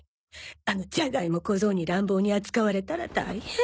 あのジャガイモ小僧に乱暴に扱われたら大変